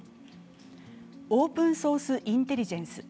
オープンソース・インテリジェンス